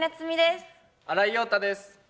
新井庸太です。